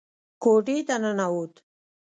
کوټې ته ننوت.